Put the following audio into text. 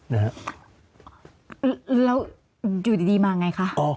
แล้วอยู่ดีมาอย่างไรคะ